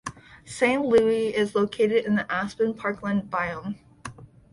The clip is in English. Saint Louis is located in the aspen parkland biome.